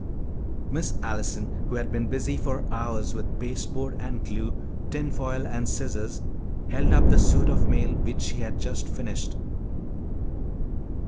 Miss Allison, who had been busy for hours with pasteboard and glue, tin foil and scissors, held up the suit of mail which she had just finished.